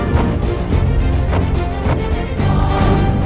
tentu bukan gadis sekitar sini